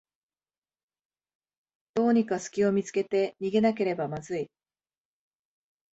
どうにかすきを見つけて逃げなければまずい